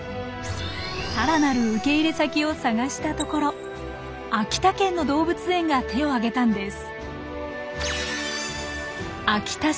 さらなる受け入れ先を探したところ秋田県の動物園が手を挙げたんです。